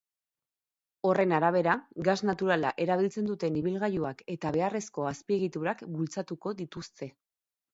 Horren arabera, gas naturala erabiltzen duten ibilgailuak eta beharrezko azpiegiturak bultzatuko dituzte.